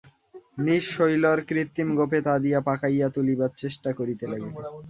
নীর শৈলর কৃত্রিম গোঁফে তা দিয়া পাকাইয়া তুলিবার চেষ্টা করিতে লাগিল।